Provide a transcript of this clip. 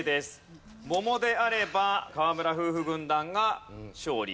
「桃」であれば河村夫婦軍団が勝利。